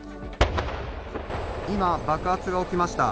今、爆発が起きました。